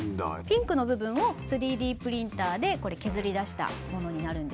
ピンクの部分を３Ｄプリンターでこれ削り出したものになるんですけれども。